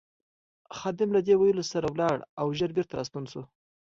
خادم له دې ویلو سره ولاړ او ژر بېرته راستون شو.